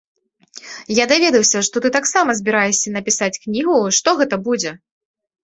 Я даведаўся, што ты таксама збіраешся напісаць кнігу, што гэта будзе?